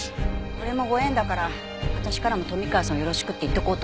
これもご縁だから私からも冨川さんをよろしくって言っておこうと思って。